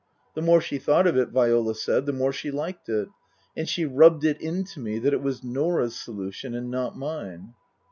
The more she thought of it, Viola said, the more she liked it. And she rubbed it into me that it was Norah's solution, and not mine.